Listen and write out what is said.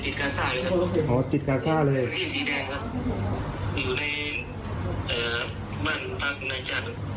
อ๋ออยากกลับบ้านไหมครับตอนนี้ครับรู้สึกไม่ปลอดภัย